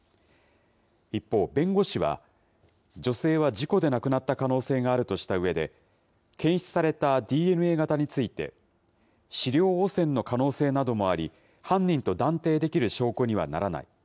一方、弁護士は、女性は事故で亡くなった可能性があるとしたうえで、検出されたＤＮＡ型について、資料汚染の可能性などもあり、犯人と断定できる証拠にはならない。